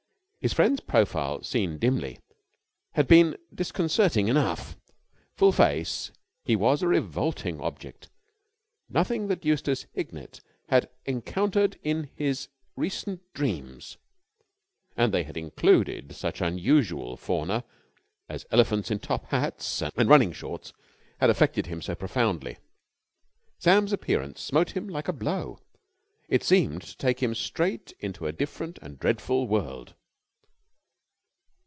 His friend's profile, seen dimly, had been disconcerting enough. Full face, he was a revolting object. Nothing that Eustace Hignett had encountered in his recent dreams and they had included such unusual fauna as elephants in top hats and running shorts had affected him so profoundly. Sam's appearance smote him like a blow. It seemed to take him straight into a different and dreadful world.